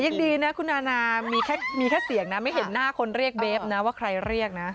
ยังดีนะคุณอานามีแค่มีแค่เสียงนะไม่เห็นหน้าคนเรียกเบฟนะว่าใครเรียกนะ